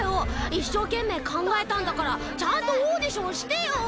いっしょうけんめいかんがえたんだからちゃんとオーディションしてよ！